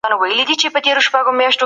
سم نیت روغتیا نه زیانمنوي.